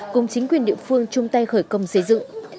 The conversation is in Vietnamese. cùng chính quyền địa phương chung tay khởi công xây dựng